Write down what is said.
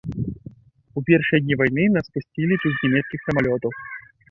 У першыя дні вайны нас спусцілі тут з нямецкіх самалётаў.